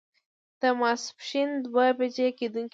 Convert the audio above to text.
د ماسپښين دوه بجې کېدونکې وې.